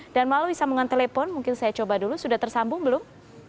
dan melalui sambungan telepon mungkin saya coba dulu sudah tersambung belum